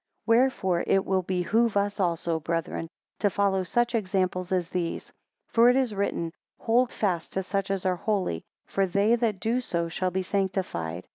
12 Wherefore it will behove us also, brethren, to follow such examples as these; for it is written, Hold fast to such as are holy; for they that do so shall be sanctified.